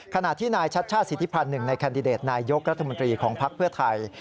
ขณะที่นายชัชชาติสิทธิพันธ์หนึ่งในแคนดิเดตนายกรัฐมนตรีของภักดิ์เพื่อไทย